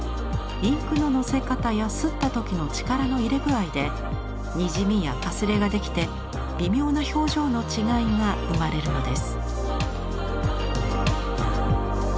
インクののせ方や刷った時の力の入れ具合で「にじみ」や「かすれ」ができて微妙な表情の違いが生まれるのです。